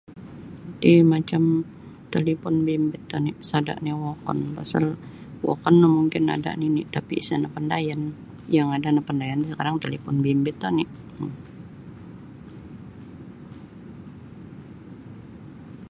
Iti macam talipon bimbit oni' sada' nio wokon pasal wokon no mungkin ada' nini' tapi' sa' napandayan yang ada napandayan sakarang talipon bimbit oni'.